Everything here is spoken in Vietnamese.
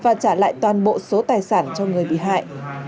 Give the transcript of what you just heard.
và trả lại toàn bộ số tài sản cho người bị hại